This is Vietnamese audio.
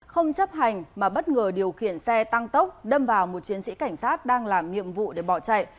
không chấp hành mà bất ngờ điều khiển xe tăng tốc đâm vào một chiến sĩ cảnh sát đang làm nhiệm vụ để bỏ chạy